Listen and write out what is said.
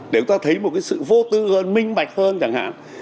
để chúng ta thấy một cái sự vô tư minh bạch hơn chẳng hạn